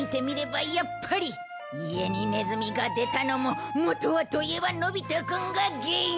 家にネズミが出たのも元はといえばのび太くんが原因。